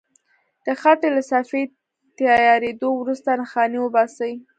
د خټې له صفحې تیارېدو وروسته نښانې وباسئ.